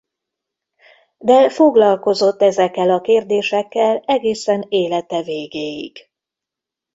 De foglalkozott ezekkel a kérdésekkel egészen élete végéig.